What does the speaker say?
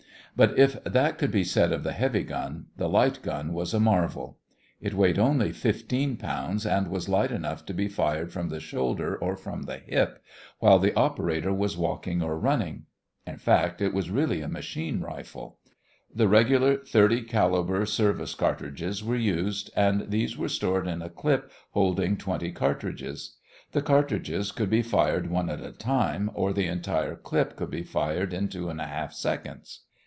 But if that could be said of the heavy gun, the light gun was a marvel. It weighed only fifteen pounds and was light enough to be fired from the shoulder or from the hip, while the operator was walking or running. In fact, it was really a machine rifle. The regular .30 caliber service cartridges were used, and these were stored in a clip holding twenty cartridges. The cartridges could be fired one at a time, or the entire clip could be fired in two and a half seconds.